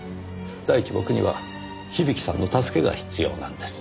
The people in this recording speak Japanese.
第一僕には響さんの助けが必要なんです。